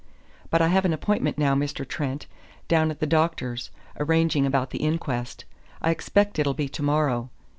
But I have an appointment now, Mr. Trent, down at the doctor's arranging about the inquest. I expect it'll be to morrow.